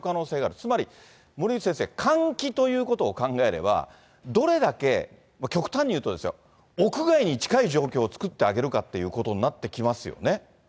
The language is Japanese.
つまり森内先生、換気ということを考えれば、どれだけ、極端にいうとですよ、屋外に近い状況を作ってあげるかということになってきますよね。